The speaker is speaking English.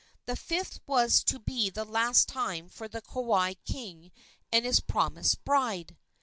The fifth was to be the last time for the Kauai king and his promised bride.